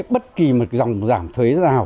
bất kỳ một dòng giảm thuế nào